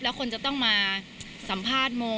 แล้วคนจะต้องมาสัมภาษณ์โม